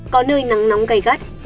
có nơi nắng nóng gầy gắt